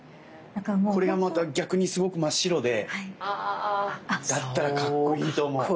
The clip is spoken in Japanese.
これがまた逆にすごく真っ白でだったらかっこいいと思う。